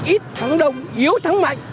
ít thắng đồng yếu thắng mạnh